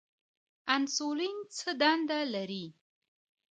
انسولین څه دنده لري؟